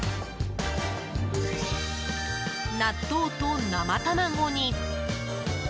納豆と生卵に。